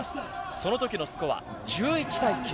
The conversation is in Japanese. その時のスコア１１対９。